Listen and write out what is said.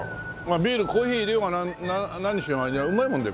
ビールコーヒー入れようが何しようがうまいもんね